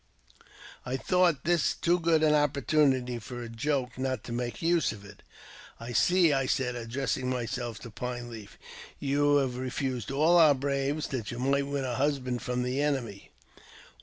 I thought this too good an opportunity for a joke not to make use of it. "I see," said I addressing myself to Pine Leaf , "you have , refused all our braves that you might win a husband from the i«nemy."